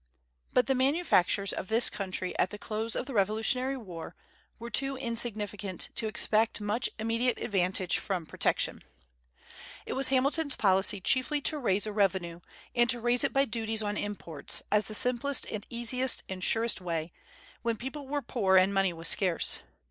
But the manufactures of this country at the close of the Revolutionary War were too insignificant to expect much immediate advantage from protection. It was Hamilton's policy chiefly to raise a revenue, and to raise it by duties on imports, as the simplest and easiest and surest way, when people were poor and money was scarce.